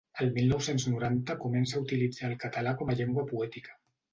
El mil nou-cents noranta comença a utilitzar el català com a llengua poètica.